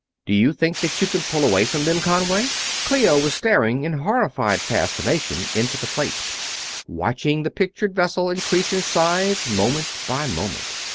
"Do you think that you can pull away from them, Conway?" Clio was staring in horrified fascination into the plate, watching the pictured vessel increase in size, moment by moment.